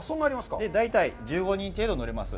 大体、１５人程度が乗れます。